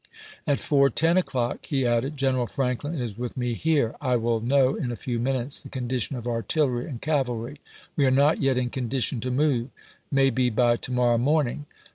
At 4:10 o'clock he ibid.,p.708. added :" Greneral Franklin is with me here. I will know in a few minutes the condition of artillery and cavalry. We are not yet in condition to vilxi., move; maybe by to morrow morning."